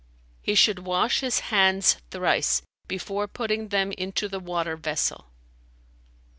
"He should wash his hands thrice, before putting them into the water vessel."